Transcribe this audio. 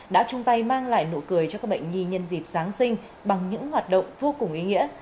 đã chung tay mang lại nụ cười cho các bệnh nhi nhân dịp giáng sinh bằng những hoạt động vô cùng ý nghĩa